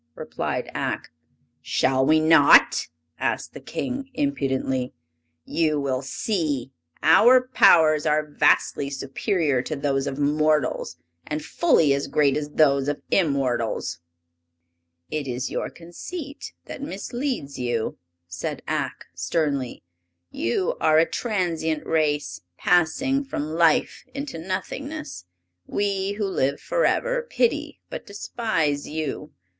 replied Ak. "Shall we not?" asked the King, impudently. "You will see! Our powers are vastly superior to those of mortals, and fully as great as those of immortals." "It is your conceit that misleads you!" said Ak, sternly. "You are a transient race, passing from life into nothingness. We, who live forever, pity but despise you.